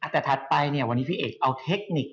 แต่ถัดไปเนี่ยวันนี้พี่เอกเอาเทคนิค